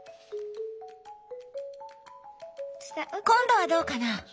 今度はどうかな？